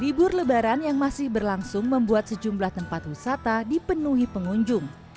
libur lebaran yang masih berlangsung membuat sejumlah tempat wisata dipenuhi pengunjung